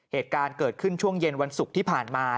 เหตุการณ์เกิดขึ้นช่วงเย็นวันศุกร์ที่ผ่านมา